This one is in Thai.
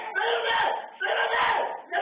ยันเห็นไป